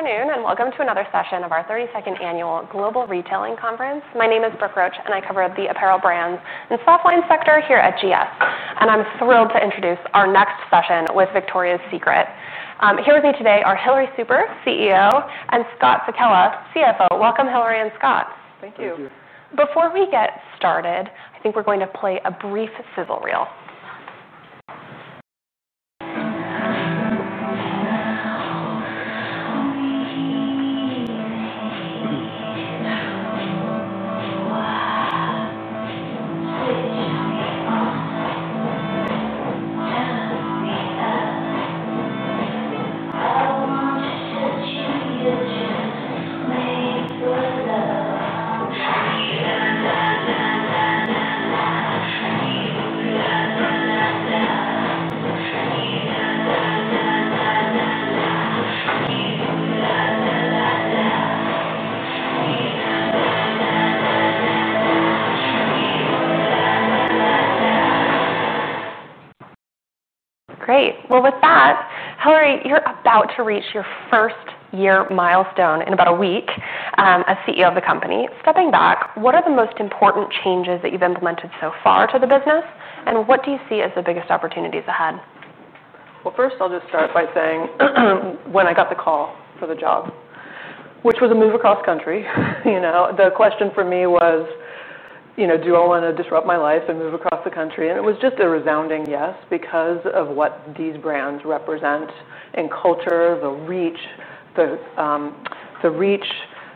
Afternoon and welcome to another session of our 32nd Annual Global Retailing Conference. My name is Brooke Roach, and I cover the apparel brands and software sector here at GF. I'm thrilled to introduce our next session with Victoria's Secret & Co. Here with me today are Hilary Super, CEO, and Scott Sekella, CFO. Welcome, Hilary and Scott. Thank you. Before we get started, I think we're going to play a brief sizzle reel. Great. Hilary, you're about to reach your first year milestone in about a week as CEO of the company. Stepping back, what are the most important changes that you've implemented so far to the business, and what do you see as the biggest opportunities ahead? First, I'll just start by saying when I got the call for the job, which was a move across country, the question for me was, do I want to disrupt my life and move across the country? It was just a resounding yes because of what these brands represent in culture, the reach, the reach,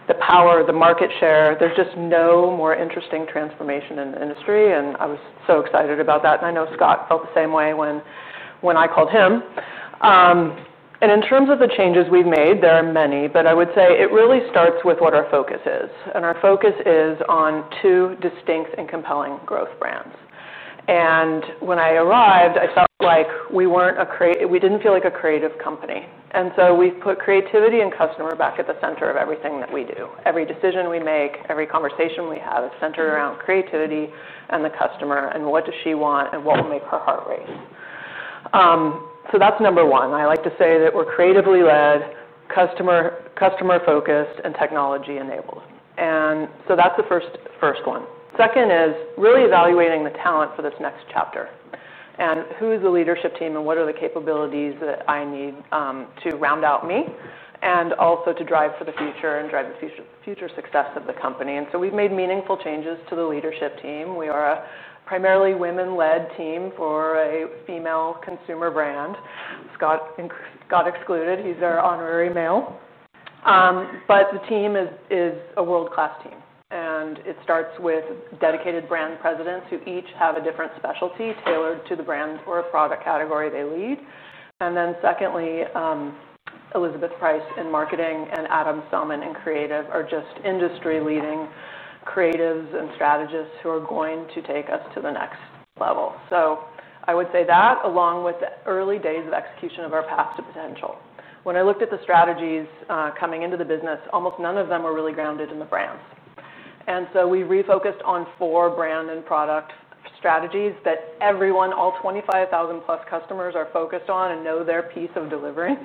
the power, the market share. There's just no more interesting transformation in the industry, and I was so excited about that. I know Scott felt the same way when I called him. In terms of the changes we've made, there are many, but I would say it really starts with what our focus is. Our focus is on two distinct and compelling growth brands. When I arrived, I felt like we weren't a creative, we didn't feel like a creative company. We put creativity and customer back at the center of everything that we do. Every decision we make, every conversation we have, it's centered around creativity and the customer and what does she want and what will make her heart race. That's number one. I like to say that we're creatively led, customer focused, and technology enabled. That's the first one. Second is really evaluating the talent for this next chapter. Who is the leadership team and what are the capabilities that I need to round out me and also to drive for the future and drive the future success of the company? We've made meaningful changes to the leadership team. We are a primarily women-led team for a female consumer brand. Scott got excluded. He's our honorary male. The team is a world-class team. It starts with dedicated brand presidents who each have a different specialty tailored to the brand or product category they lead. Secondly, Elizabeth Price in marketing and Adam Selman in creative are just industry-leading creatives and strategists who are going to take us to the next level. I would say that along with the early days of execution of our path to potential. When I looked at the strategies coming into the business, almost none of them were really grounded in the brands. We refocused on four brand and product strategies that everyone, all 25,000+ customers are focused on and know their piece of delivering.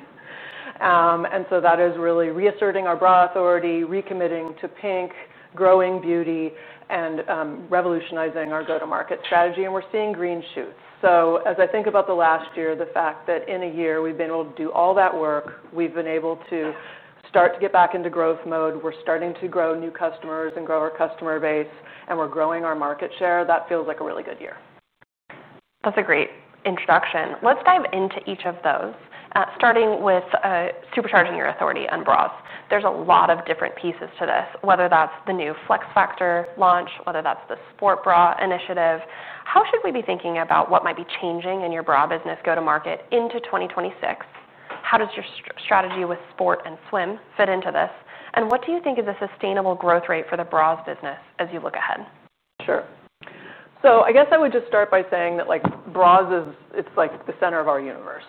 That is really reasserting our brand authority, recommitting to PINK, growing beauty, and revolutionizing our go-to-market strategy. We're seeing green shoot. As I think about the last year, the fact that in a year we've been able to do all that work, we've been able to start to get back into growth mode. We're starting to grow new customers and grow our customer base, and we're growing our market share. That feels like a really good year. That's a great introduction. Let's dive into each of those, starting with supercharging your authority in bras. There's a lot of different pieces to this, whether that's the new Flex Factor launch or the sport bra initiative. How should we be thinking about what might be changing in your bra business go-to-market into 2026? How does your strategy with sport and swim fit into this? What do you think of the sustainable growth rate for the bras business as you look ahead? Sure. I guess I would just start by saying that bras are the center of our universe.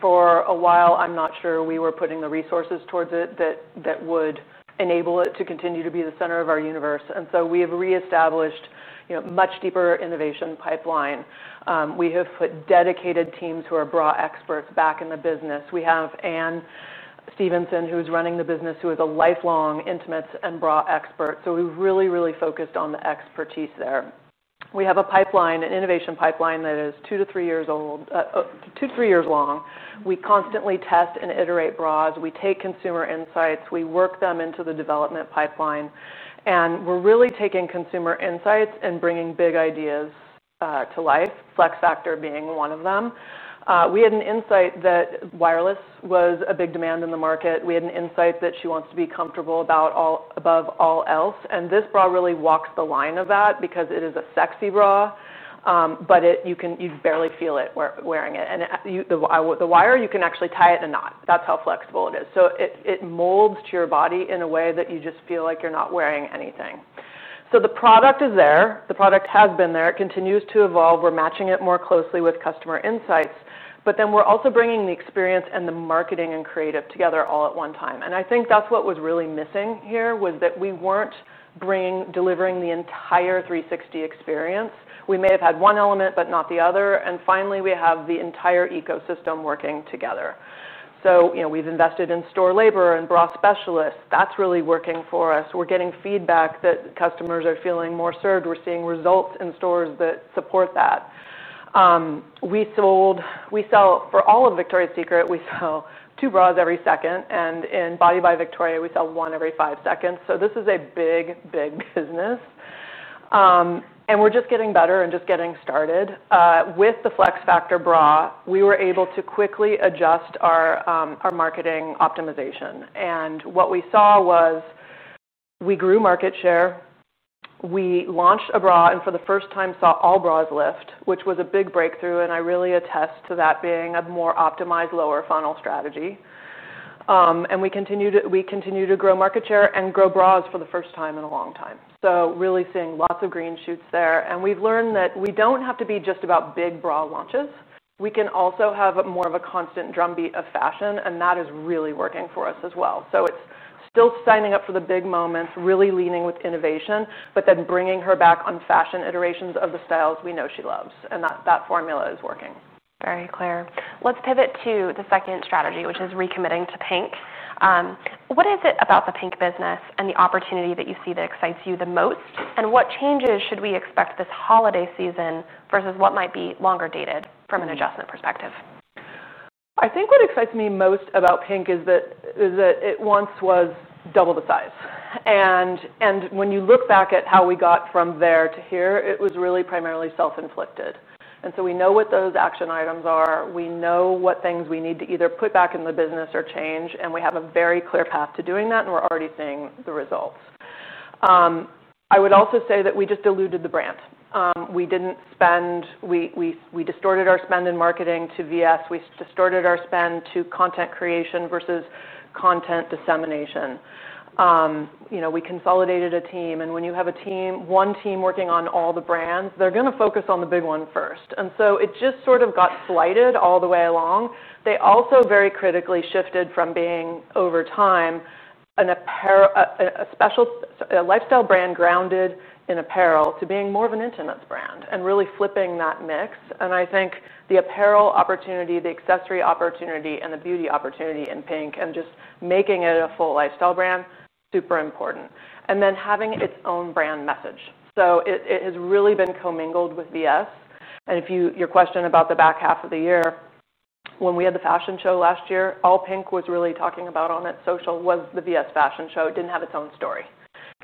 For a while, I'm not sure we were putting the resources towards it that would enable it to continue to be the center of our universe. We have reestablished a much deeper innovation pipeline. We have put dedicated teams who are bra experts back in the business. We have Ann Stevenson, who's running the business, who is a lifelong intimate and bra expert. We really, really focused on the expertise there. We have a pipeline, an innovation pipeline that is two to three years long. We constantly test and iterate bras. We take consumer insights and work them into the development pipeline. We're really taking consumer insights and bringing big ideas to life, Flex Factor being one of them. We had an insight that wireless was a big demand in the market. We had an insight that she wants to be comfortable above all else. This bra really walks the line of that because it is a sexy bra, but you can barely feel it wearing it. The wire, you can actually tie it in a knot. That's how flexible it is. It molds to your body in a way that you just feel like you're not wearing anything. The product is there. The product has been there. It continues to evolve. We're matching it more closely with customer insights. We're also bringing the experience and the marketing and creative together all at one time. I think that's what was really missing here, that we weren't delivering the entire 360 experience. We may have had one element, but not the other. Finally, we have the entire ecosystem working together. We've invested in store labor and bra specialists. That's really working for us. We're getting feedback that customers are feeling more served. We're seeing results in stores that support that. For all of Victoria's Secret, we sell two bras every second. In Body by Victoria, we sell one every five seconds. This is a big, big business. We're just getting better and just getting started. With the Flex Factor bra, we were able to quickly adjust our marketing optimization. What we saw was we grew market share. We launched a bra and for the first time saw all bras lift, which was a big breakthrough. I really attest to that being a more optimized lower funnel strategy. We continue to grow market share and grow bras for the first time in a long time. We are really seeing lots of green shoots there. We have learned that we do not have to be just about big bra launches. We can also have more of a constant drumbeat of fashion, and that is really working for us as well. It is still signing up for the big moments, really leaning with innovation, but then bringing her back on fashion iterations of the styles we know she loves. That formula is working. Very clear. Let's pivot to the second strategy, which is recommitting to PINK. What is it about the PINK business and the opportunity that you see that excites you the most? What changes should we expect this holiday season versus what might be longer dated from an adjustment perspective? I think what excites me most about PINK is that it once was double the size. When you look back at how we got from there to here, it was really primarily self-inflicted. We know what those action items are. We know what things we need to either put back in the business or change. We have a very clear path to doing that, and we're already seeing the results. I would also say that we just diluted the brand. We didn't spend, we distorted our spend in marketing to Victoria's Secret. We distorted our spend to content creation versus content dissemination. We consolidated a team. When you have one team working on all the brands, they're going to focus on the big one first. It just sort of got slided all the way along. They also very critically shifted from being, over time, a special lifestyle brand grounded in apparel to being more of an intimate brand and really flipping that mix. I think the apparel opportunity, the accessory opportunity, and the beauty opportunity in PINK and just making it a full lifestyle brand is super important. Having its own brand message is really important. It has really been commingled with Victoria's Secret. If your question is about the back half of the year, when we had the fashion show last year, all PINK was really talking about on its social was the Victoria's Secret fashion show. It didn't have its own story.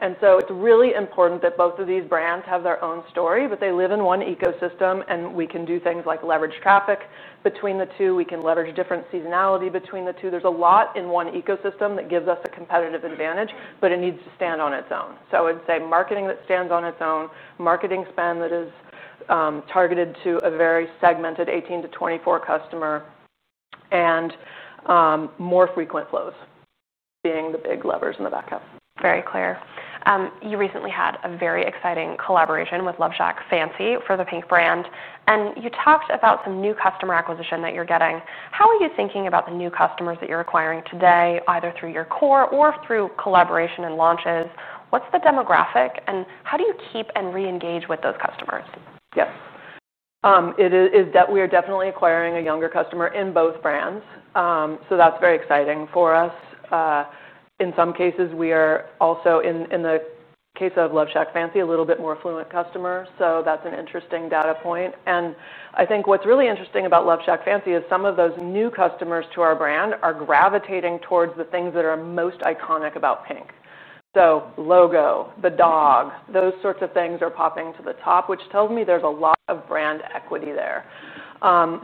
It is really important that both of these brands have their own story, but they live in one ecosystem. We can do things like leverage traffic between the two. We can leverage different seasonality between the two. There's a lot in one ecosystem that gives us a competitive advantage, but it needs to stand on its own. I'd say marketing that stands on its own, marketing spend that is targeted to a very segmented 18 - 24 customer, and more frequent flows being the big levers in the back half. Very clear. You recently had a very exciting collaboration with LoveShack Fancy for the PINK brand. You talked about some new customer acquisition that you're getting. How are you thinking about the new customers that you're acquiring today, either through your core or through collaboration and launches? What's the demographic? How do you keep and re-engage with those customers? Yes. We are definitely acquiring a younger customer in both brands. That's very exciting for us. In some cases, we are also, in the case of LoveShackFancy, a little bit more fluent customer. That's an interesting data point. I think what's really interesting about LoveShackFancy is some of those new customers to our brand are gravitating towards the things that are most iconic about PINK. Logo, the dog, those sorts of things are popping to the top, which tells me there's a lot of brand equity there.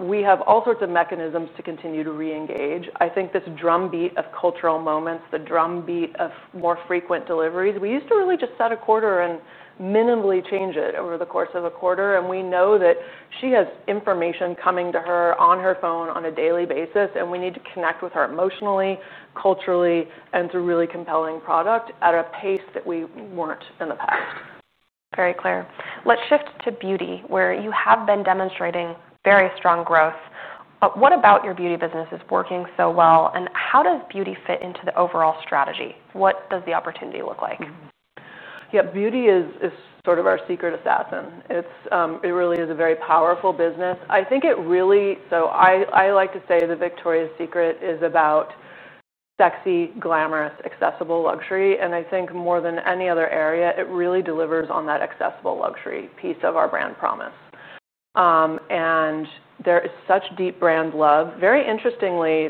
We have all sorts of mechanisms to continue to re-engage. I think this drumbeat of cultural moments, the drumbeat of more frequent deliveries—we used to really just set a quarter and minimally change it over the course of a quarter. We know that she has information coming to her on her phone on a daily basis. We need to connect with her emotionally, culturally, and through really compelling products at a pace that we weren't in the past. Very clear. Let's shift to beauty, where you have been demonstrating very strong growth. What about your beauty business is working so well? How does beauty fit into the overall strategy? What does the opportunity look like? Yeah, beauty is sort of our secret assassin. It really is a very powerful business. I think it really, so I like to say that Victoria's Secret is about sexy, glamorous, accessible luxury. I think more than any other area, it really delivers on that accessible luxury piece of our brand promise. There is such deep brand love. Very interestingly,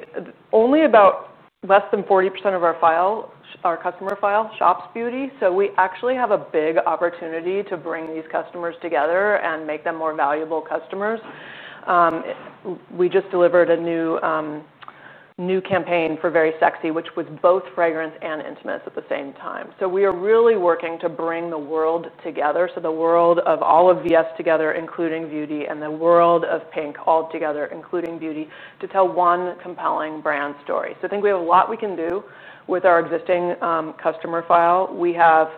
only about less than 40% of our file, our customer file, shops beauty. We actually have a big opportunity to bring these customers together and make them more valuable customers. We just delivered a new campaign for Very Sexy, which was both fragrance and intimate at the same time. We are really working to bring the world together, the world of all of Victoria's Secret together, including beauty, and the world of PINK all together, including beauty, to tell one compelling brand story. I think we have a lot we can do with our existing customer file. We have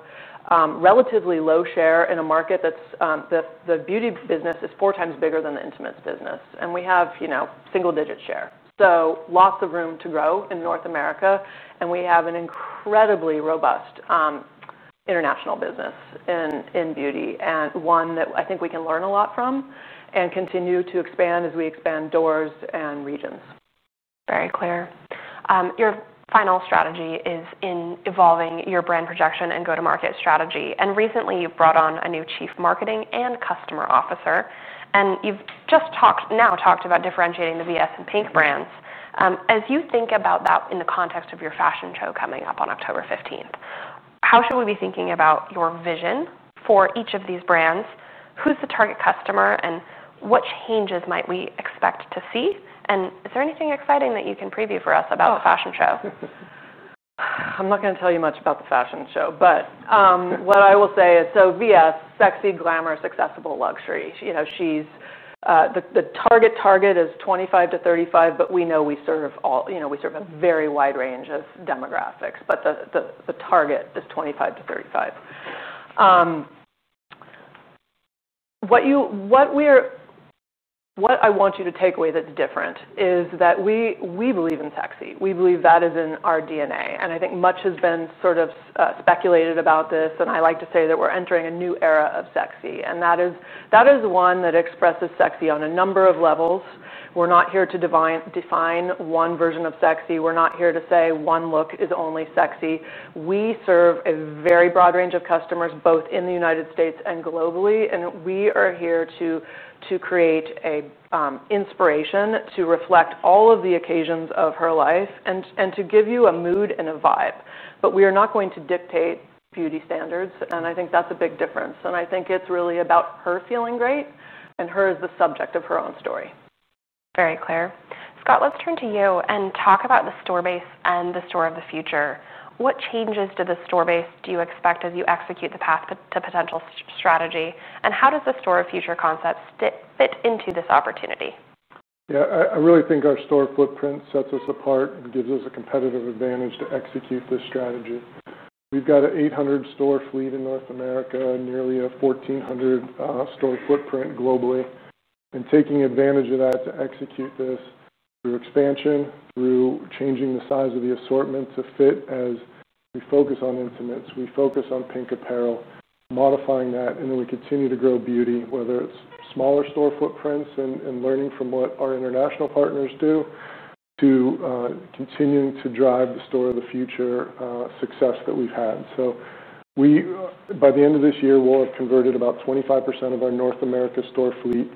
relatively low share in a market that the beauty business is 4x bigger than the intimate business, and we have single-digit share. Lots of room to grow in North America. We have an incredibly robust international business in beauty, and one that I think we can learn a lot from and continue to expand as we expand doors and regions. Very clear. Your final strategy is in evolving your brand projection and go-to-market strategy. Recently, you've brought on a new Chief Marketing and Customer Officer. You just talked about differentiating the Victoria’s Secret and PINK brands. As you think about that in the context of your fashion show coming up on October 15, how should we be thinking about your vision for each of these brands? Who's the target customer? What changes might we expect to see? Is there anything exciting that you can preview for us about the fashion show? I'm not going to tell you much about the fashion show. What I will say is, VS, sexy, glamorous, accessible luxury. The target is 25 - 35, but we know we serve all, we serve a very wide range of demographics. The target is 25 - 35. What I want you to take away that's different is that we believe in sexy. We believe that is in our DNA. I think much has been sort of speculated about this. I like to say that we're entering a new era of sexy, and that is one that expresses sexy on a number of levels. We're not here to define one version of sexy. We're not here to say one look is only sexy. We serve a very broad range of customers, both in the United States and globally. We are here to create an inspiration to reflect all of the occasions of her life and to give you a mood and a vibe. We are not going to dictate beauty standards. I think that's a big difference. I think it's really about her feeling great and her as the subject of her own story. Very clear. Scott, let's turn to you and talk about the store base and the store of the future. What changes to the store base do you expect as you execute the path to potential strategy? How does the store of the future concept fit into this opportunity? Yeah, I really think our store footprint sets us apart and gives us a competitive advantage to execute this strategy. We've got an 800-store fleet in North America, nearly a 1,400-store footprint globally. Taking advantage of that to execute this through expansion, through changing the size of the assortment to fit as we focus on intimates. We focus on PINK apparel, modifying that. We continue to grow beauty, whether it's smaller store footprints and learning from what our international partners do, to continuing to drive the store of the future success that we've had. By the end of this year, we will have converted about 25% of our North America store fleet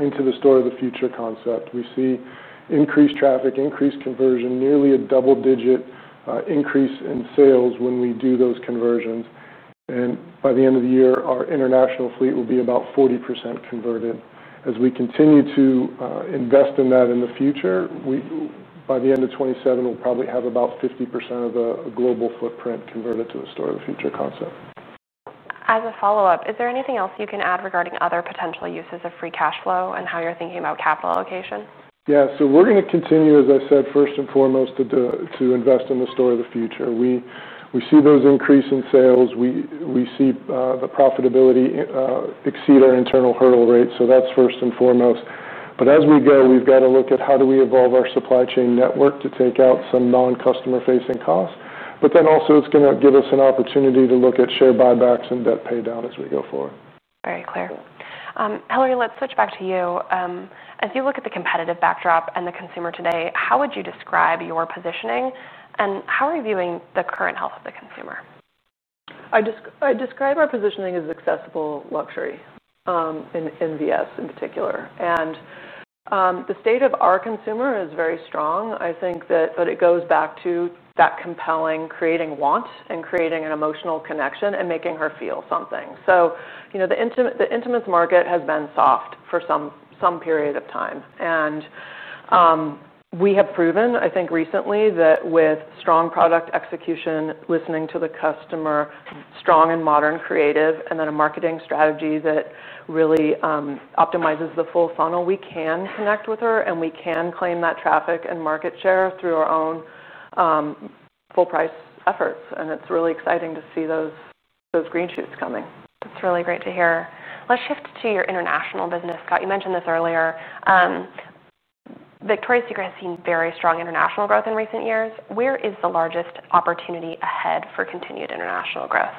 into the store of the future concept. We see increased traffic, increased conversion, nearly a double-digit increase in sales when we do those conversions. By the end of the year, our international fleet will be about 40% converted. As we continue to invest in that in the future, by the end of 2027, we'll probably have about 50% of a global footprint converted to the store of the future concept. As a follow-up, is there anything else you can add regarding other potential uses of free cash flow and how you're thinking about capital allocation? Yeah, so we're going to continue, as I said, first and foremost, to invest in the store of the future. We see those increase in sales. We see the profitability exceed our internal hurdle rate. That's first and foremost. As we go, we've got to look at how do we evolve our supply chain network to take out some non-customer-facing costs. It's going to give us an opportunity to look at share buybacks and debt pay down as we go forward. Very clear. Hilary, let's switch back to you. As you look at the competitive backdrop and the consumer today, how would you describe your positioning? How are you viewing the current health of the consumer? I describe our positioning as accessible luxury in VS in particular. The state of our consumer is very strong. I think that it goes back to that compelling, creating want and creating an emotional connection and making her feel something. The intimate market has been soft for some period of time. We have proven, I think, recently that with strong product execution, listening to the customer, strong and modern creative, and then a marketing strategy that really optimizes the full funnel, we can connect with her. We can claim that traffic and market share through our own full price efforts. It's really exciting to see those green shoots coming. That's really great to hear. Let's shift to your international business, Scott. You mentioned this earlier. Victoria's Secret & Co. has seen very strong international growth in recent years. Where is the largest opportunity ahead for continued international growth?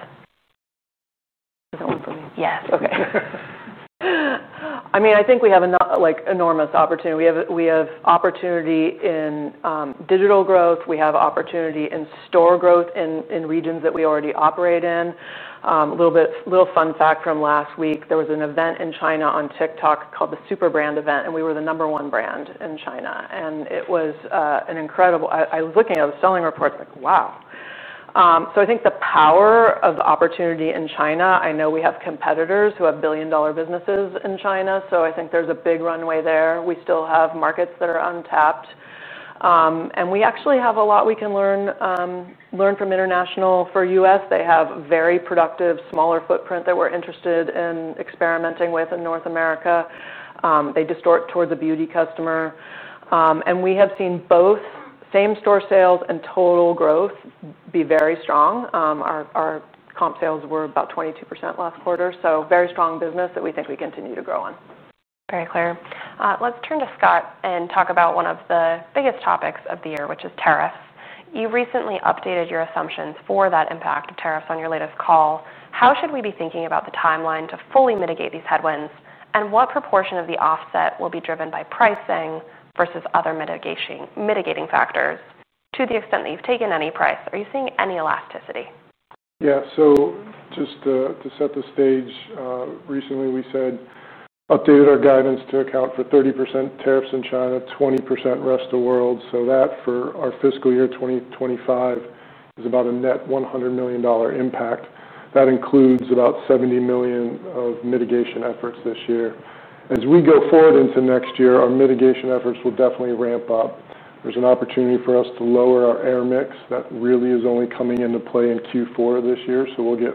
Is that one for me? Yes. OK. I mean, I think we have an enormous opportunity. We have opportunity in digital growth. We have opportunity in store growth in regions that we already operate in. A little fun fact from last week, there was an event in China on TikTok called the Super Brand Event. We were the number one brand in China. It was incredible, I was looking at the selling reports, like, wow. I think the power of opportunity in China, I know we have competitors who have billion-dollar businesses in China. I think there's a big runway there. We still have markets that are untapped. We actually have a lot we can learn from international. For U.S., they have a very productive smaller footprint that we're interested in experimenting with in North America. They distort towards the beauty customer. We have seen both same store sales and total growth be very strong. Our comp sales were about 22% last quarter. Very strong business that we think we continue to grow on. Very clear. Let's turn to Scott and talk about one of the biggest topics of the year, which is tariffs. You recently updated your assumptions for that impact of tariffs on your latest call. How should we be thinking about the timeline to fully mitigate these headwinds? What proportion of the offset will be driven by pricing versus other mitigating factors? To the extent that you've taken any price, are you seeing any elasticity? Yeah, just to set the stage, recently we updated our guidance to account for 30% tariffs in China, 20% rest of the world. For our fiscal year 2025, that is about a net $100 million impact. That includes about $70 million of mitigation efforts this year. As we go forward into next year, our mitigation efforts will definitely ramp up. There's an opportunity for us to lower our air mix. That really is only coming into play in Q4 of this year, so we'll get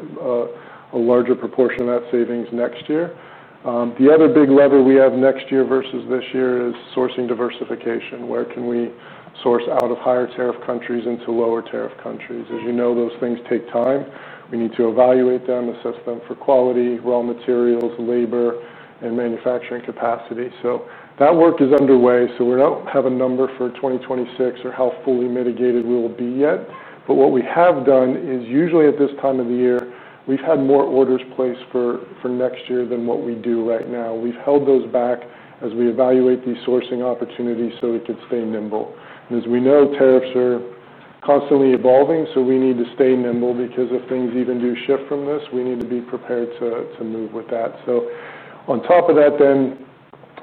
a larger proportion of that savings next year. The other big lever we have next year versus this year is sourcing diversification. Where can we source out of higher tariff countries into lower tariff countries? As you know, those things take time. We need to evaluate them, assess them for quality, raw materials, labor, and manufacturing capacity. That work is underway. We don't have a number for 2026 or how fully mitigated we'll be yet. What we have done is, usually at this time of the year, we've had more orders placed for next year than what we do right now. We've held those back as we evaluate these sourcing opportunities so we could stay nimble. As we know, tariffs are constantly evolving. We need to stay nimble because if things even do shift from this, we need to be prepared to move with that. On top of that,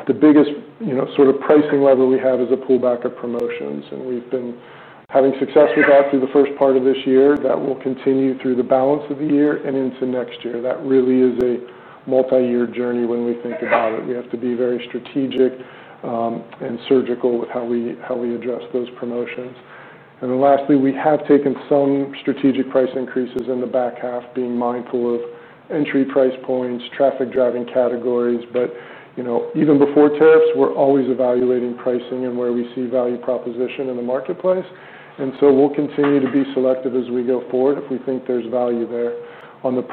the biggest sort of pricing lever we have is a pullback of promotions. We've been having success with that through the first part of this year. That will continue through the balance of the year and into next year. That really is a multi-year journey when we think about it. We have to be very strategic and surgical with how we address those promotions. Lastly, we have taken some strategic price increases in the back half, being mindful of entry price points and traffic driving categories. Even before tariffs, we're always evaluating pricing and where we see value proposition in the marketplace. We'll continue to be selective as we go forward if we think there's value there. On the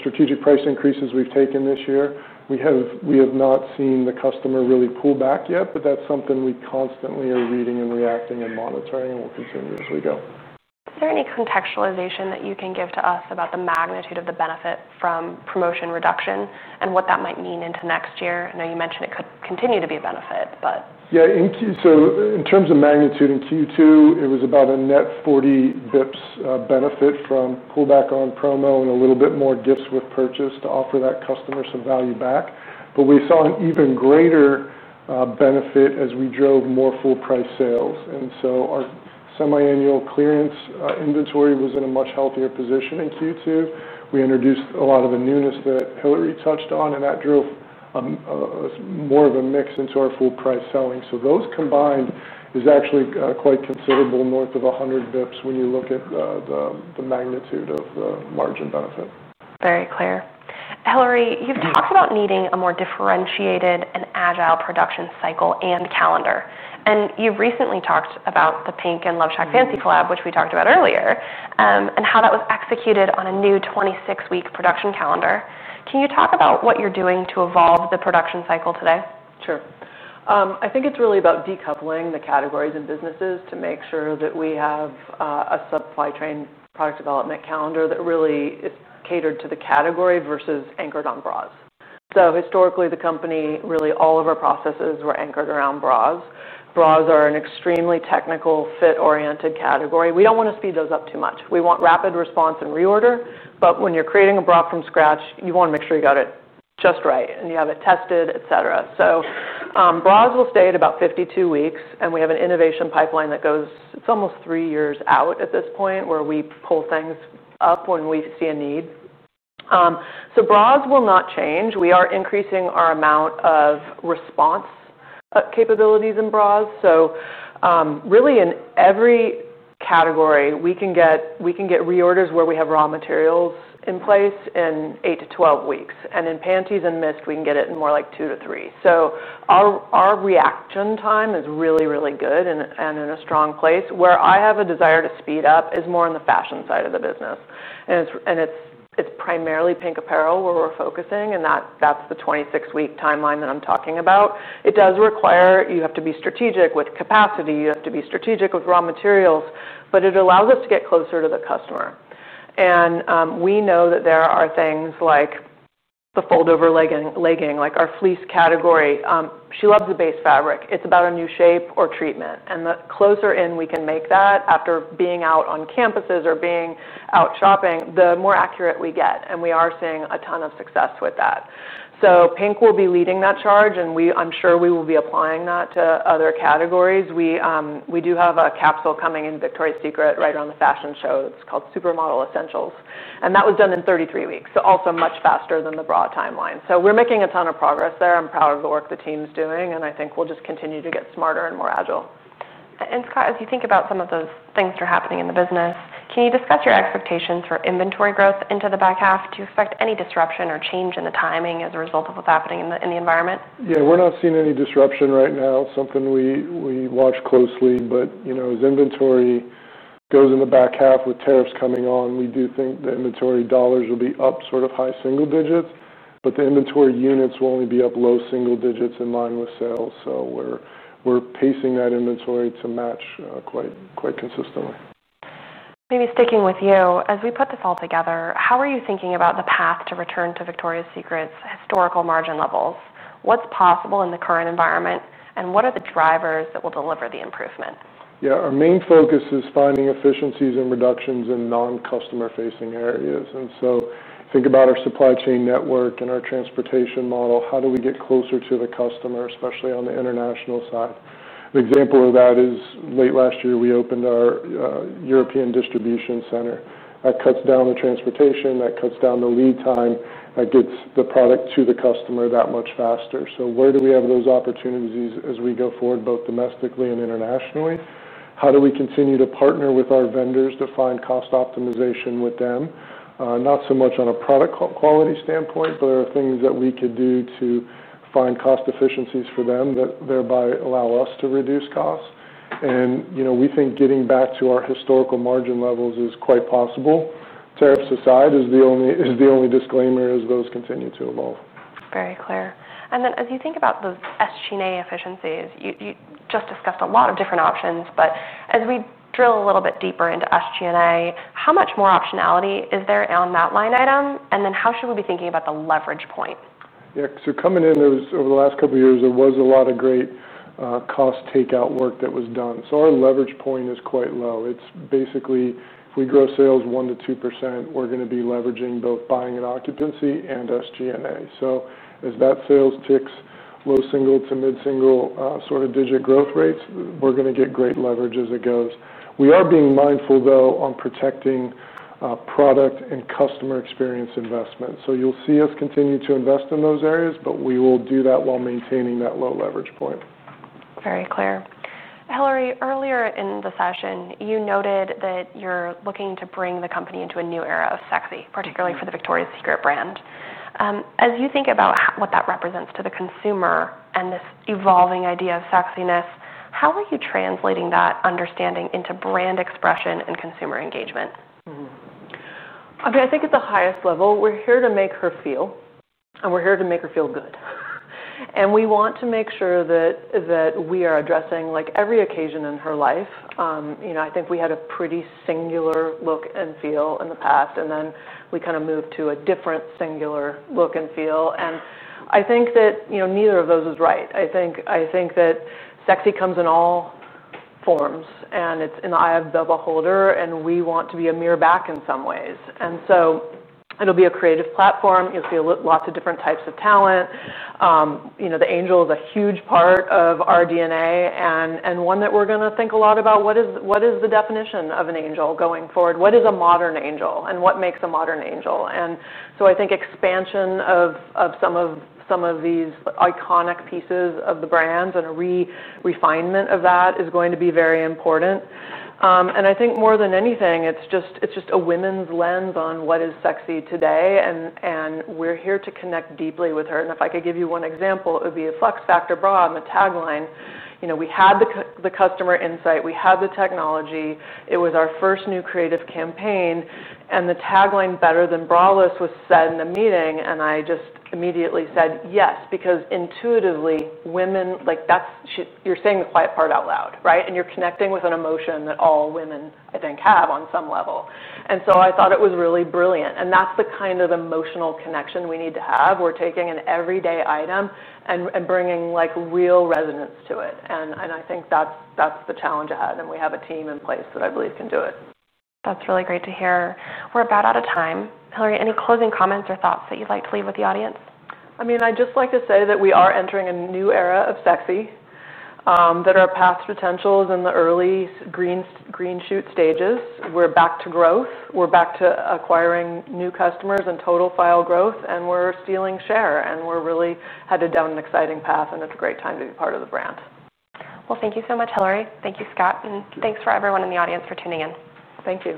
strategic price increases we've taken this year, we have not seen the customer really pull back yet. That's something we constantly are reading and reacting and monitoring. We'll continue as we go. Is there any contextualization that you can give to us about the magnitude of the benefit from promotion reduction and what that might mean into next year? I know you mentioned it could continue to be a benefit. Yeah, so in terms of magnitude, in Q2, it was about a net 40 bps benefit from pullback on promo and a little bit more gifts with purchase to offer that customer some value back. We saw an even greater benefit as we drove more full price sales. Our semi-annual clearance inventory was in a much healthier position in Q2. We introduced a lot of the newness that Hilary touched on, and that drove more of a mix into our full price selling. Those combined is actually quite considerable, north of 100 bps when you look at the magnitude of the margin benefit. Very clear. Hilary, you've talked about needing a more differentiated and agile production cycle and calendar. You recently talked about the PINK and LoveShackFancy collab, which we talked about earlier, and how that was executed on a new 26-week production calendar. Can you talk about what you're doing to evolve the production cycle today? Sure. I think it's really about decoupling the categories and businesses to make sure that we have a supply chain product development calendar that really is catered to the category versus anchored on bras. Historically, the company, really all of our processes were anchored around bras. Bras are an extremely technical fit-oriented category. We don't want to speed those up too much. We want rapid response and reorder. When you're creating a bra from scratch, you want to make sure you got it just right and you have it tested, et cetera. Bras will stay at about 52 weeks. We have an innovation pipeline that goes, it's almost three years out at this point where we pull things up when we see a need. Bras will not change. We are increasing our amount of response capabilities in bras. In every category, we can get reorders where we have raw materials in place in 8- 12 weeks. In panties and mist, we can get it in more like 2 weeks - 3 weeks. Our reaction time is really, really good and in a strong place. Where I have a desire to speed up is more on the fashion side of the business. It's primarily PINK apparel where we're focusing. That's the 26-week timeline that I'm talking about. It does require you have to be strategic with capacity. You have to be strategic with raw materials. It allows us to get closer to the customer. We know that there are things like the fold-over legging, like our fleece category. She loves the base fabric. It's about a new shape or treatment. The closer in we can make that after being out on campuses or being out shopping, the more accurate we get. We are seeing a ton of success with that. PINK will be leading that charge. I'm sure we will be applying that to other categories. We do have a capsule coming into Victoria’s Secret right around the fashion show. It's called Supermodel Essentials. That was done in 33 weeks, also much faster than the bra timeline. We're making a ton of progress there. I'm proud of the work the team's doing. I think we'll just continue to get smarter and more agile. Scott, as you think about some of those things that are happening in the business, can you discuss your expectations for inventory growth into the back half to affect any disruption or change in the timing as a result of what's happening in the environment? Yeah, we're not seeing any disruption right now. It's something we watch closely. As inventory goes in the back half with tariffs coming on, we do think the inventory dollars will be up sort of high single digits. The inventory units will only be up low single digits in line with sales. We're pacing that inventory to match quite consistently. Maybe sticking with you, as we put this all together, how are you thinking about the path to return to Victoria's Secret's historical margin levels? What's possible in the current environment? What are the drivers that will deliver the improvement? Yeah, our main focus is finding efficiencies and reductions in non-customer-facing areas. Think about our supply chain network and our transportation model. How do we get closer to the customer, especially on the international side? An example of that is late last year, we opened our European distribution center. That cuts down the transportation. That cuts down the lead time. That gets the product to the customer that much faster. Where do we have those opportunities as we go forward, both domestically and internationally? How do we continue to partner with our vendors to find cost optimization with them? Not so much on a product quality standpoint, but there are things that we could do to find cost efficiencies for them that thereby allow us to reduce costs. We think getting back to our historical margin levels is quite possible. Tariffs aside is the only disclaimer as those continue to evolve. Very clear. As you think about those SG&A efficiencies, you just discussed a lot of different options. As we drill a little bit deeper into SG&A, how much more optionality is there on that line item? How should we be thinking about the leverage point? Yeah, because you're coming in, over the last couple of years, there was a lot of great cost takeout work that was done. Our leverage point is quite low. It's basically, if we grow sales 1% - 2%, we're going to be leveraging both buying and occupancy and SG&A. As that sales ticks low single to mid-single sort of digit growth rates, we're going to get great leverage as it goes. We are being mindful, though, on protecting product and customer experience investment. You'll see us continue to invest in those areas. We will do that while maintaining that low leverage point. Very clear. Hilary, earlier in the session, you noted that you're looking to bring the company into a new era of sexy, particularly for the Victoria's Secret brand. As you think about what that represents to the consumer and this evolving idea of sexiness, how are you translating that understanding into brand expression and consumer engagement? I think at the highest level, we're here to make her feel. We're here to make her feel good. We want to make sure that we are addressing every occasion in her life. I think we had a pretty singular look and feel in the past. We kind of moved to a different singular look and feel. I think that neither of those is right. I think that sexy comes in all forms, and it's in the eye of the beholder. We want to be a mirror back in some ways. It will be a creative platform. You'll see lots of different types of talent. The angel is a huge part of our DNA and one that we're going to think a lot about. What is the definition of an angel going forward? What is a modern angel? What makes a modern angel? I think expansion of some of these iconic pieces of the brands and a re-refinement of that is going to be very important. More than anything, it's just a women's lens on what is sexy today. We're here to connect deeply with her. If I could give you one example, it would be a Flex Factor bra and the tagline. We had the customer insight. We had the technology. It was our first new creative campaign. The tagline, "Better than braless," was said in the meeting. I just immediately said yes, because intuitively, women, like that's you're saying the quiet part out loud, right? You're connecting with an emotion that all women, I think, have on some level. I thought it was really brilliant. That's the kind of emotional connection we need to have. We're taking an everyday item and bringing real resonance to it. I think that's the challenge ahead. We have a team in place that I believe can do it. That's really great to hear. We're about out of time. Hilary, any closing comments or thoughts that you'd like to leave with the audience? I'd just like to say that we are entering a new era of sexy, that our path to potential is in the early green shoot stages. We're back to growth, we're back to acquiring new customers and total file growth, and we're stealing share. We're really headed down an exciting path. It's a great time to be part of the brand. Thank you so much, Hilary. Thank you, Scott. Thanks for everyone in the audience for tuning in. Thank you.